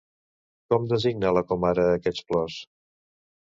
Com designa la comare aquests plors?